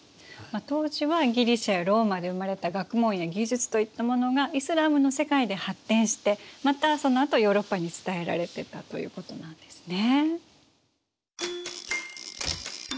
当時はギリシアやローマで生まれた学問や技術といったものがイスラームの世界で発展してまたそのあとヨーロッパに伝えられてたということなんですね。